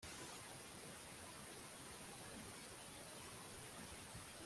urizera ko ukora ikintu cyiza ukurikiza umutima wawe